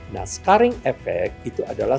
nah scaring effect itu adalah